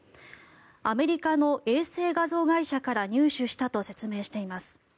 アメリカの衛星画像会社から入手したと説明しています。